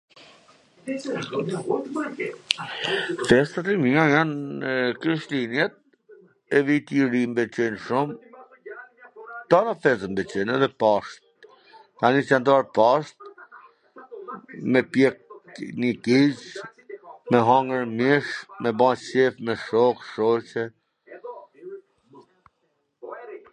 Festat e mia jan Krishtlindjet, dhe Viti i Ri mw pwlqen shum, tana festat mw pwlqejn, edhe Pashkt, tani qw vjen Pashkt me pjek nji gic, me hangwr mish, me ba qef me shok, shoqe,